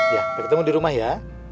ya bertemu di rumah ya